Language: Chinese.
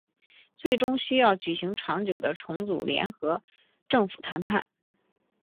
最终需要举行长久的筹组联合政府谈判。